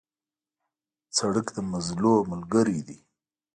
سړک د مزلونو ملګری دی.